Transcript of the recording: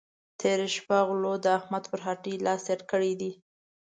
تېره شه غلو د احمد پر هټۍ لاس تېر کړی دی.